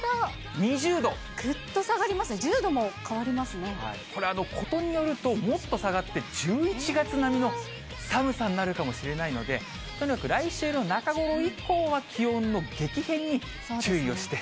ぐっと下がりますね、１０度これ、ことによると、もっと下がって、１１月並みの寒さになるかもしれないので、とにかく来週の中頃以降は、気温の激変に注意をして。